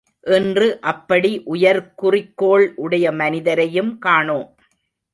இன்று அப்படி உயர் குறிக்கோள் உடைய மனிதரையும் காணோம்!